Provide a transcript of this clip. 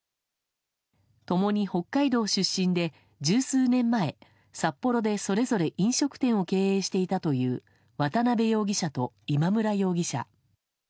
共に北海道出身で十数年前、札幌でそれぞれ飲食店を経営していたという渡辺容疑者と今村容疑者。